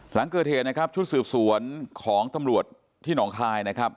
หลังเกิดเหตุนะครับชุดสืบสวนของตำรวจที่หนองคายนะครับ